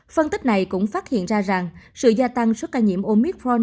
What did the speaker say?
phân tích này cũng phát hiện ra rằng sự gia tăng sơ ca nhiễm omicron